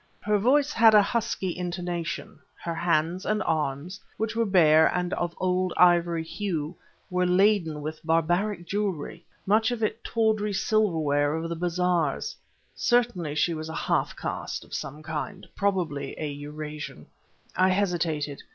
Her voice had a husky intonation; her hands and arms, which were bare and of old ivory hue, were laden with barbaric jewelry, much of it tawdry silverware of the bazaars. Clearly she was a half caste of some kind, probably a Eurasian. I hesitated.